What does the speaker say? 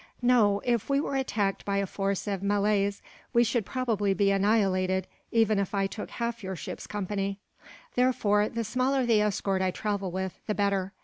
"No. If we were attacked by a force of Malays, we should probably be annihilated even if I took half your ship's company. Therefore, the smaller the escort I travel with, the better.